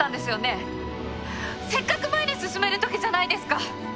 せっかく前に進めるときじゃないですか。